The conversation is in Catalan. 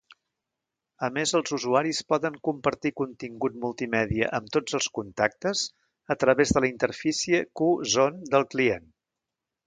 A més, els usuaris poden compartir contingut multimèdia amb tots els contactes a través de la interfície Qzone del client.